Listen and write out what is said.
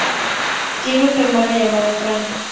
Tiene un hermano llamado Frank.